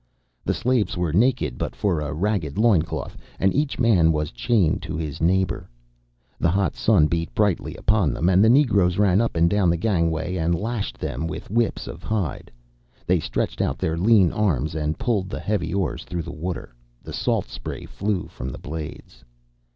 The slaves were naked, but for a ragged loin cloth, and each man was chained to his neighbour. The hot sun beat brightly upon them, and the negroes ran up and down the gangway and lashed them with whips of hide. They stretched out their lean arms and pulled the heavy oars through the water. The salt spray flew from the blades.